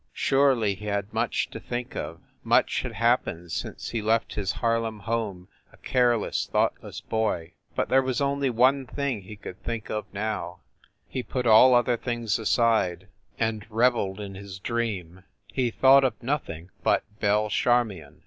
Surely he had much to think of; much had happened since he left his Harlem home a careless, thoughtless boy. But there was only one thing he could think of now he put all other things aside, and revelled in his 242 FIND THE WOMAN dream. He thought of nothing but Belle Charmion.